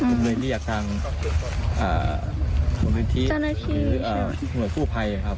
อืมมือเลี่ยงกลางอ่าหรือหรืออ่าหน่วยสู้ไพรครับ